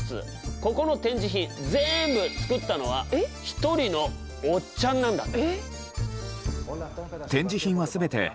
ここの展示品ぜんぶ作ったのは１人のおっちゃんなんだって。